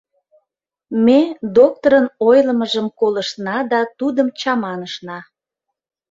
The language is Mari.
Ме докторын ойлымыжым колыштна да тудым чаманышна.